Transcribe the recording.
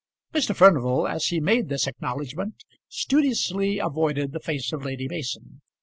Mr. Furnival, as he made this acknowledgement, studiously avoided the face of Lady Mason.